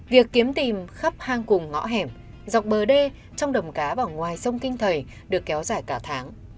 việc kiếm tìm khắp hang cùng ngõ hẻm dọc bờ đê trong đầm cá và ngoài sông kinh thầy được kéo dài cả tháng